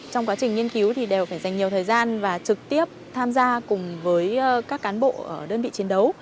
trong quá trình nghiên cứu thì đều phải dành nhiều thời gian và trực tiếp tham gia cùng với các cán bộ ở đơn vị chiến đấu